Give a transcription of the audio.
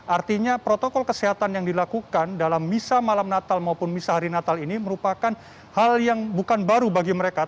artinya protokol kesehatan yang dilakukan dalam misa malam natal maupun misa hari natal ini merupakan hal yang bukan baru bagi mereka